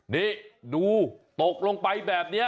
นี่ดูตกลงไปแบบนี้